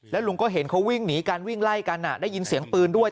ลุงก็เห็นเขาวิ่งหนีกันวิ่งไล่กันได้ยินเสียงปืนด้วย